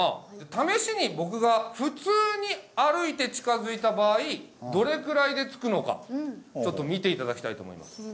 試しに僕が普通に歩いて近づいた場合どれくらいでつくのかちょっと見て頂きたいと思います。